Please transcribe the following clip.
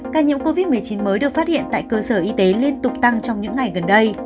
ca nhiễm covid một mươi chín mới được phát hiện tại cơ sở y tế liên tục tăng trong những ngày gần đây